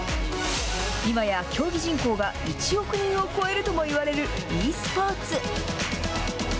今や競技人口が１億人を超えるともいわれるｅスポーツ。